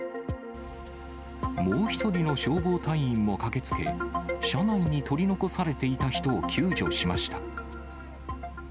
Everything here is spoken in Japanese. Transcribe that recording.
もう１人の消防隊員も駆けつけ、車内に取り残されていた人を救助しました。